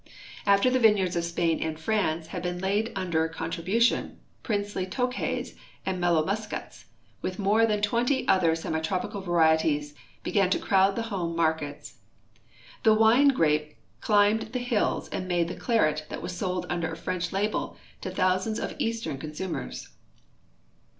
After the vineyards of Spain and France had been laid under contri bution, princely Tokays and mellow Muscats, with more than twenty other semitropical varieties, began to crowd the home markets. The wine grape climbed the hills and made the claret that was sold under a French label to thousands of eastern con sumers.